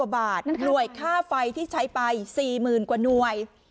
๑๗๙๗๐๐บาทหน่วยค่าไฟที่ใช้ไป๔๐๐๐๐กว่าหน่วย